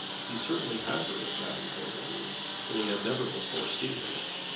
He certainly had heard of Madame Gordeloup, though he had never before seen her.